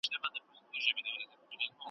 دا یې هېر سول چي پردي دي وزرونه ,